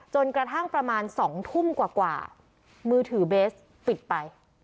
จนกระทั่งประมาณ๒ทุ่มกว่ามือถือเบสปิดไป